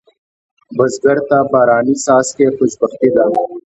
بزګر ته هر باراني څاڅکی خوشبختي ده